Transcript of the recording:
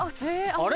あれ？